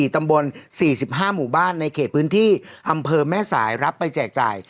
ตำบล๔๕หมู่บ้านในเขตพื้นที่อำเภอแม่สายรับไปแจกจ่าย